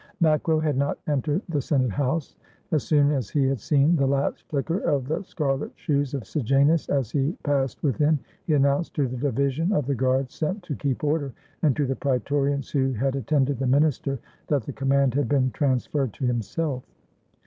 Macro had not entered the Senate house. As soon as he had seen the last flicker of the scarlet shoes of Sejanus as he passed within, he announced to the division of the guards sent to keep order, and to the Praetorians who had attended the minister, that the command had been transferred to himself.